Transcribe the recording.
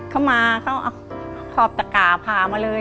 เขามาเขาเอาขอบตะกาผ่ามาเลย